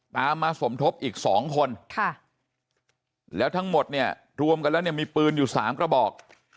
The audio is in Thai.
ตามมาสมทบอีก๒คนแล้วทั้งหมดเนี่ยรวมกันแล้วเนี่ยมีปืนอยู่๓กระบอก